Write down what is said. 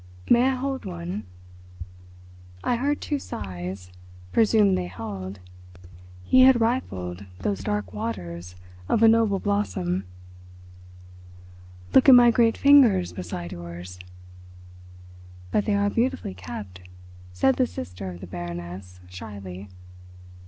"May I hold one?" I heard two sighs—presumed they held—he had rifled those dark waters of a noble blossom. "Look at my great fingers beside yours." "But they are beautifully kept," said the sister of the Baroness shyly.